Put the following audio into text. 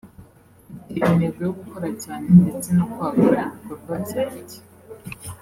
mfite intego yo gukora cyane ndetse no kwagura ibikorwa byanjye